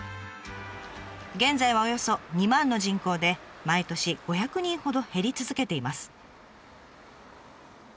現在はおよそ２万の人口で毎年５００人ほど減り続けています。